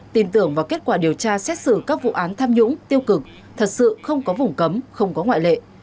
tin tưởng vào kết quả điều tra xét xử các vụ án tham nhũng tiêu cực thật sự không có vùng cấm không có ngoại lệ